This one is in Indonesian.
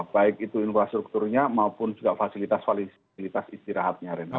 baik itu infrastrukturnya maupun juga fasilitas istirahatnya ren hatian